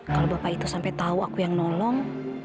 kalau bapak itu sampai tahu aku yang nolong